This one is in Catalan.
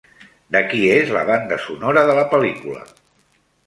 De qui és la banda sonora de la pel·lícula?